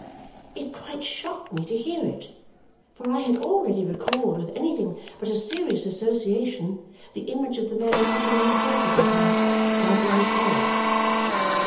It quite shocked me to hear it, for I had already recalled with anything but a serious association the image of the man sitting on the sofa that night wiping his head.